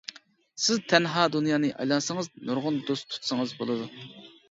سىز تەنھا دۇنيانى ئايلانسىڭىز، نۇرغۇن دوست تۇتسىڭىز بولىدۇ.